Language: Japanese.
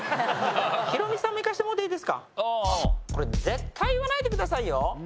これ絶対言わないでくださいよ。